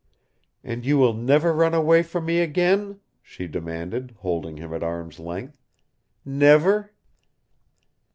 "And you will never run away from me again?" she demanded, holding him at arm's length. "Never?"